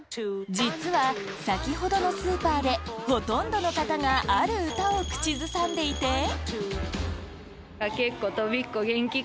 実は先ほどのスーパーでほとんどの方がある歌を口ずさんでいて